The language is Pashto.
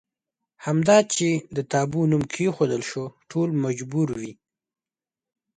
همدا چې د تابو نوم کېښودل شو ټول مجبور وي.